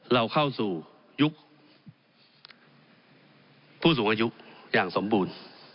เราเข้าสู่ยุคผู้สูงอายุอย่างสมบูรณ์